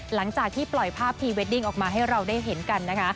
หลังจากที่ปล่อยภาพพรีเวดดิ้งออกมาให้เราได้เห็นกันนะคะ